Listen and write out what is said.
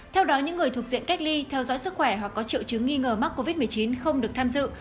theo đó những người thuộc diện cách ly theo dõi sức khỏe hoặc có triệu chứng nghi ngờ mắc covid một mươi chín không được tham dự